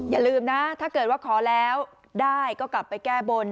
อย่าลืมนะถ้าเกิดว่าขอแล้วได้ก็กลับไปแก้บน